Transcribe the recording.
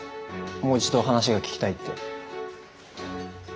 もう一度話が聞きたいって。